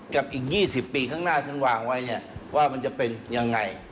กับอีก๒๐ปีข้างหน้าท่านวางไว้เนี่ยว่ามันจะเป็นยังไง